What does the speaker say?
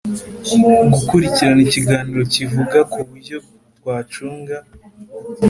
gukurikirana ikiganiro kivuga kuburyo twacunga